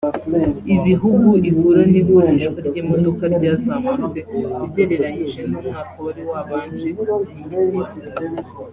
Ibihugu igura n’igurishwa ry’imodoka ryazamutse ugereranyije n’umwaka wari wabanje ni Misiri